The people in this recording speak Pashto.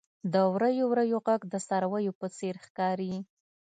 • د وریو وریو ږغ د څارويو په څېر ښکاري.